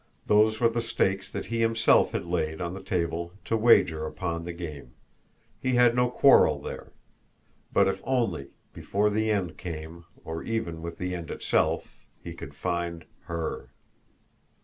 Those were the stakes that he himself had laid on the table to wager upon the game, he had no quarrel there; but if only, before the end came, or even with the end itself, he could find HER!